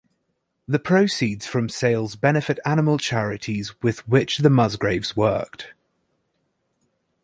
The proceeds from sales benefit animal charities with which the Musgraves worked.